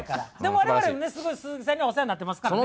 我々もねすごい鈴木さんにはお世話になってますからね。